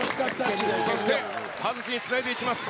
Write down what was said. そして、葉月につないでいきます。